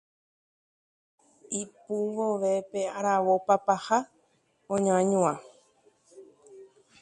Pero cuando el reloj suena, se abrazan.